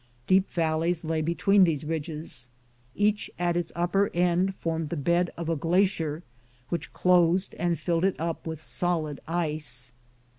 Deep valleys lay between these ridges. Each at its upper end formedf the bed of a glacier, which closed and filled it up with solid ice.